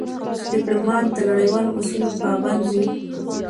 ډيپلومات د نړیوالو اصولو پابند وي.